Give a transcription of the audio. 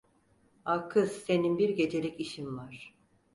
A kız senin bir gecelik işin var.